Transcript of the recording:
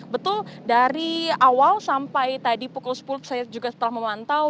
betul dari awal sampai tadi pukul sepuluh saya juga setelah memantau